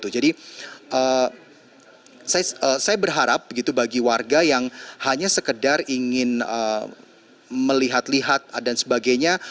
jadi saya berharap bagi warga yang hanya sekedar ingin melihat lihat dan sebagainya